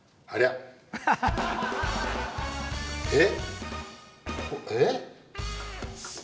えっ⁉